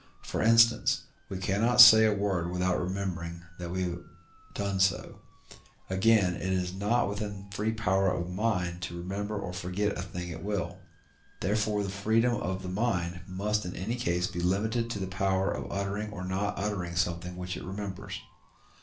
For instance, we cannot say a word without remembering that we have done so. Again, it is not within the free power of the mind to remember or forget a thing at will. Therefore the freedom of the mind must in any case be limited to the power of uttering or not uttering something which it remembers.